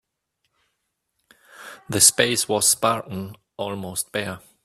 The space was spartan, almost bare.